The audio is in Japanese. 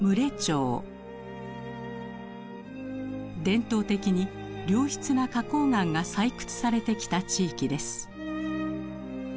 伝統的に良質な花崗岩が採掘されてきた地域です。